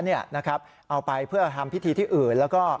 เอาไปเพื่อทำพิธีที่อื่นแล้วก็